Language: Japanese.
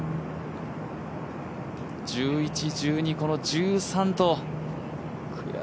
１１、１２、この１３と。